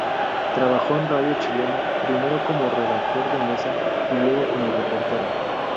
Trabajó en radio Chilena, primero como redactor de mesa y luego como reportero.